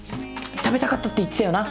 食べたかったって言ってたよな？